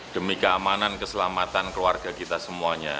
demi keamanan keselamatan keluarga kita semuanya